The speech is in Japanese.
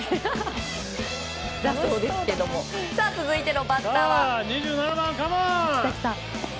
続いてのバッターは。